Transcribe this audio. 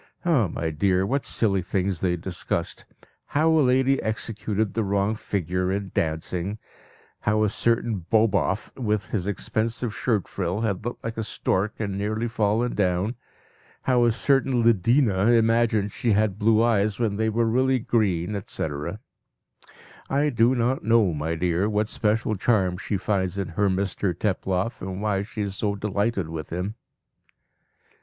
Ah, my dear! what silly things they discussed how a lady executed the wrong figure in dancing; how a certain Boboff, with his expansive shirt frill, had looked like a stork and nearly fallen down; how a certain Lidina imagined she had blue eyes when they were really green, etc. "I do not know, my dear, what special charm she finds in her Mr Teploff, and why she is so delighted with him."